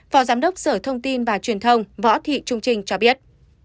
phó giám đốc sở thông tin và truyền thông võ thị trung trinh cho biết